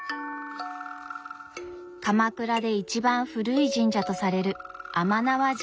鎌倉で一番古い神社とされる甘縄神社。